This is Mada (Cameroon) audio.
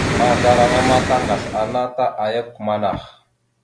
Mahəzlaraŋa ma taŋgasl ana ta ayak amanah.